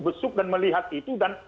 besuk dan melihat itu dan